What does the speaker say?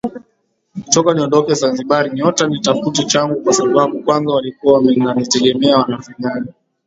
ni kutoka Niondoke Zanzibar nyota nitafute changu Kwa sababu kwanza walikuwa wananitegemea Wananifanyisha kazi